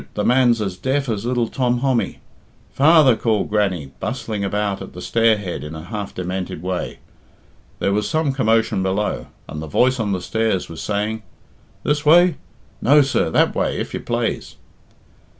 the man's as deaf as little Tom Hommy. Father!" called Grannie, bustling about at the stair head in a half demented way. There was some commotion below, and the voice on the stairs was saying, "This way? No, sir. That way, if you plaze."